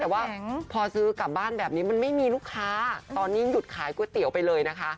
แต่ว่าพอซื้อกลับบ้านแบบนี้มันไม่มีลูกค้าตอนนี้หยุดขายก๋วยเตี๋ยวไปเลยนะคะ